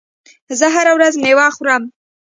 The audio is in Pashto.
زه هره ورځ مېوه خورم.